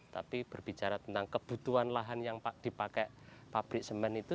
tapi berbicara tentang kebutuhan lahan yang dipakai pabrik semen itu